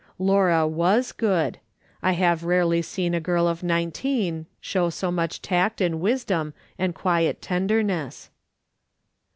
Laura vm8 good. I have rarely seen a girl of nineteen show so much tact and wisdom and quiet tenderness.